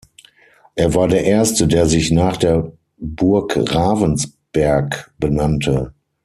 Er war der erste, der sich nach der Burg Ravensberg benannte.